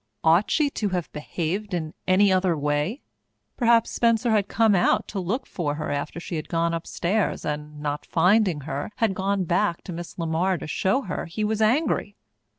Ought she to have behaved in any other way? Perhaps Spencer had come out to look for her after she had gone upstairs and, not finding her, had gone back to Miss LeMar to show her he was angry.